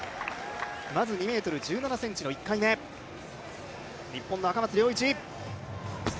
まず２ｍ１７ｃｍの１回目日本の赤松諒一。